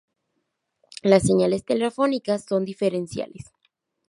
Las señales telefónicas son diferenciales.